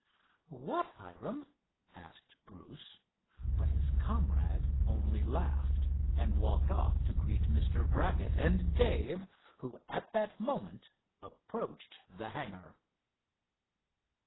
"What, Hiram?" asked Bruce, but his comrade only laughed, and walked off to greet Mr. Brackett and Dave, who, at that moment, approached the hangar.